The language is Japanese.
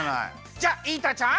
じゃあイータちゃん。